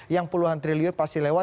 yang puluhan triliun pasti lewat